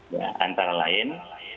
ya antara lainnya